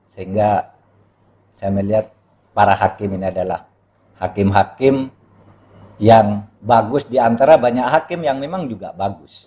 sehingga saya melihat para hakim ini adalah hakim hakim yang bagus diantara banyak hakim yang memang juga bagus